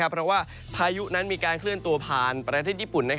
เพราะว่าพายุนั้นมีการเคลื่อนตัวผ่านประเทศญี่ปุ่น